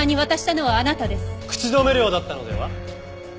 口止め料だったのでは？